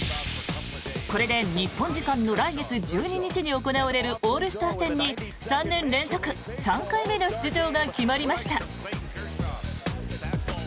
これで日本時間の来月１２日に行われるオールスター戦に３年連続３回目の出場が決まりました。